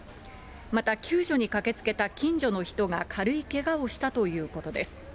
また救助に駆けつけた近所の人が軽いけがをしたということです。